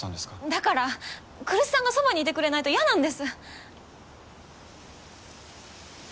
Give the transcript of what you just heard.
だから来栖さんがそばにいてくれないと嫌なんです。